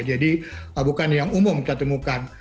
jadi bukan yang umum kita temukan